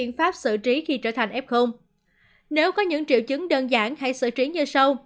nếu có những triệu chứng đơn giản hãy sử trí như sau